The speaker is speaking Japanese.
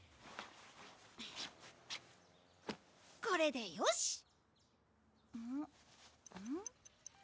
これでよし！